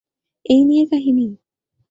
এই নিয়ে কাহিনী।